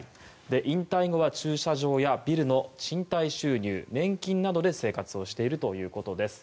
引退後は駐車場やビルの賃貸収入年金などで生活しているということです。